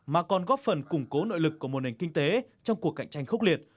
mà còn góp phần củng cố nội lực của một nền kinh tế trong cuộc cạnh tranh khốc liệt